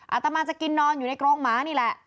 อาตมาจะกินนอนอยู่ในกรงหมานี่แหละ